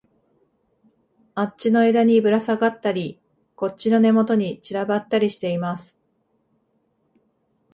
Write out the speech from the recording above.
あっちの枝にぶらさがったり、こっちの根元に散らばったりしています